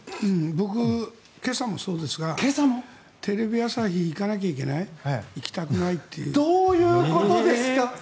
僕、今朝もそうですがテレビ朝日、行かなきゃいけないどういうことですか！